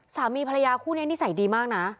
สามีภรรยาคู่นี้นิสัยดีมากนะ